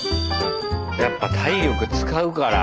やっぱ体力使うから。